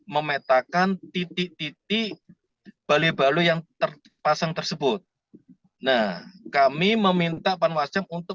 memetakan titik titik bali bale yang terpasang tersebut nah kami meminta panwasjam untuk